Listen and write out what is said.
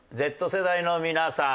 Ｚ世代の皆さん